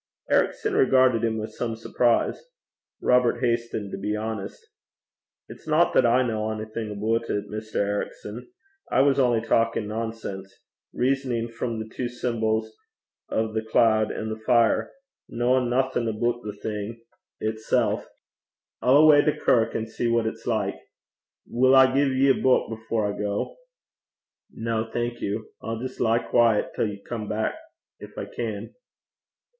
Ericson regarded him with some surprise. Robert hastened to be honest. 'It's no that I ken onything aboot it, Mr. Ericson. I was only bletherin' (talking nonsense) rizzonin' frae the twa symbols o' the cloud an' the fire kennin' nothing aboot the thing itsel'. I'll awa' to the kirk, an' see what it's like. Will I gie ye a buik afore I gang?' 'No, thank you. I'll just lie quiet till you come back if I can.'